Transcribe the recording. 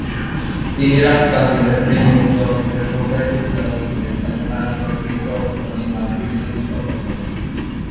তিনি রাজ কাপুরের "প্রেম রোগ" চলচ্চিত্রের সহকারী পরিচালক ছিলেন এবং তার নিকট থেকে চলচ্চিত্র নির্মাণের বিভিন্ন দিক রপ্ত করেন।